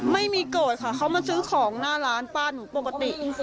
ไม่มีโกรธค่ะเขามาซื้อของหน้าร้านป้าหนูปกติ